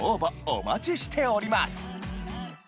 お待ちしております！